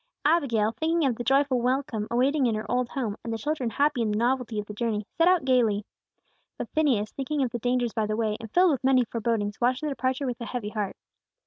Abigail, thinking of the joyful welcome awaiting her in her old home, and the children happy in the novelty of the journey, set out gayly. But Phineas, thinking of the dangers by the way, and filled with many forebodings, watched their departure with a heavy heart.